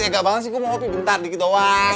enggak banget sih gue mau ngopi bentar dikit doang